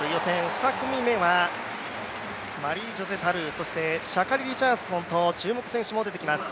２組目はマリージョセ・タルー、そしてシャカリ・リチャードソンと注目選手も出てきます。